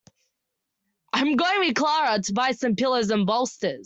I'm going with Clara to buy some pillows and bolsters.